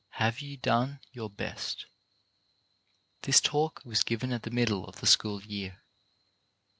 HAVE YOU DONE YOUR BEST? [This talk was given at the middle of the school year.